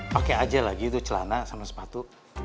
pakai aja lagi itu celana sama sepatu